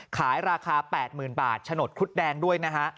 ขายราคา๘๐๐๐บาทฉนดครุฑแดงด้วยนะฮะ